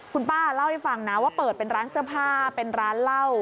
คุณป้าเล่าให้ฟังนะว่าเปิดเป็นร้านเสื้อผ้าเป็นร้านเหล้า